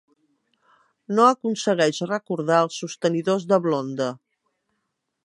No aconsegueix recordar els sostenidors de blonda.